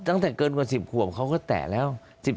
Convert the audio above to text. ตั้งแต่เกินกว่า๑๐ขวบเขาก็แตะแล้ว